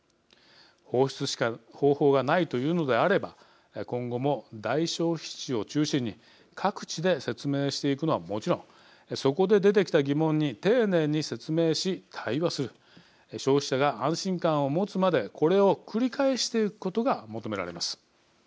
放出しか方法がないというのであれば今後も大消費地を中心に各地で説明していくのはもちろんそこで出てきた疑問に丁寧に説明し、対話する消費者が安心感を持つまでこれを繰り返していくことが求められます。